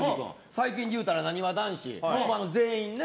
最近で言うたらなにわ男子の全員ね。